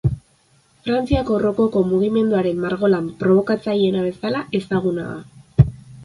Frantziako Rokoko mugimenduaren margolan probokatzaileena bezala ezaguna da.